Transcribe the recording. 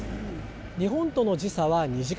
日本との時差は２時間。